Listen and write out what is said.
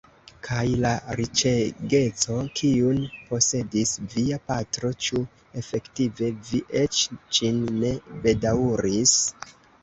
Kaj la riĉegeco, kiun posedis via patro, ĉu efektive vi eĉ ĝin ne bedaŭris?